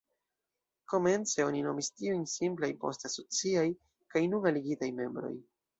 Komence oni nomis tiujn "simplaj", poste "asociaj" kaj nun "aligitaj" membroj.